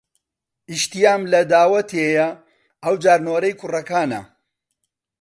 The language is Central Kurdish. ئیشتیام لە داوەتێ یە ئەو جار نۆرەی کوڕەکانە